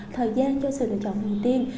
thời gian cho sự lựa chọn đầu tiên